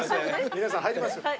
皆さん入りますよ。